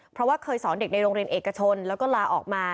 เพราะว่าเคยสอนเด็กในโรงเรียนเอกชนแล้วก็ลาออกมา